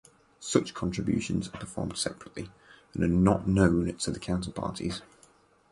Such contributions are performed separately and are not known to the counterparties.